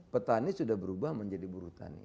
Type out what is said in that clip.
petani sudah berubah menjadi buru tani